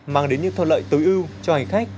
mang đến những thuận lợi tối ưu cho hành khách